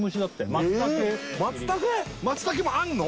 松茸もあんの？